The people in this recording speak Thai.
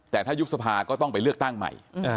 แต่ถ้ายุบสภาก็ต้องไปเลือกตั้งใหม่